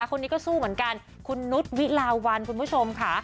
คนนี้ก็สู้เหมือนกันคุณนุษย์วิลาวันคุณผู้ชมค่ะ